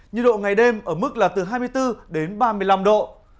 nhiệt độ ngày đêm ở mức là từ hai mươi bốn đến ba mươi năm độ